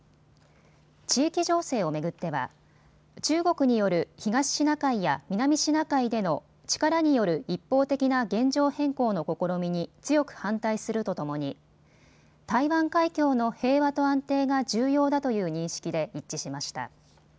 地域情勢を巡っては中国による東シナ海や南シナ海での力による一方的な現状変更の試みに強く反対するとともに台湾海峡の平和と安定が重要だという認識で一致しました。